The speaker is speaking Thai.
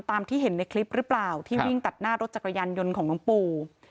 ตามที่เห็นในคลิปหรือเปล่าที่วิ่งตัดหน้ารถจักรยานยนต์ของน้องปู